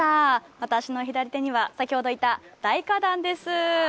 私の左手には先ほどいた大花壇です。